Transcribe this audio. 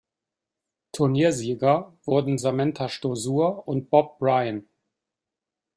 Turniersieger wurden Samantha Stosur und Bob Bryan.